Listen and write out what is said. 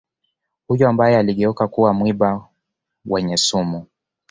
huyu ambaye aligeuka kuwa mwiba wenye sumu kali